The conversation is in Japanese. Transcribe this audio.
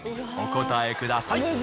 お答えください。